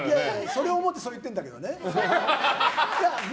それをもってそういってるんだけどね。